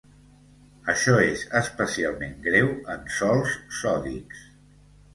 Això és especialment greu en sòls sòdics.